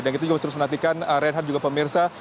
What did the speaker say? dan itu juga menerus menantikan rehan juga pemirsa